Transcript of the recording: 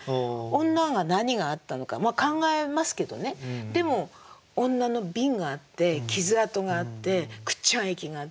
女が何があったのか考えますけどねでも女の鬢があって痍痕があって知安驛があって。